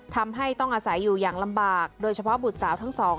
ทำให้ต้องอาศัยอยู่อย่างลำบากโดยเฉพาะบุตรสาวทั้งสอง